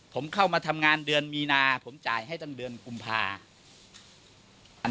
ผมเข้ามาทำงานเดือนมีนาผมจ่ายให้ตั้งเดือนกุมภา